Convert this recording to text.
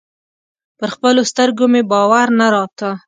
پر خپلو سترګو مې باور نه راته.